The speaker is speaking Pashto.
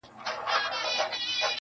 کله کښته کله پورته کله شاته -